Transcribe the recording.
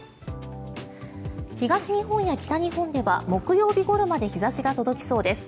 東日本や北日本では木曜日ごろまで日差しが届きそうです。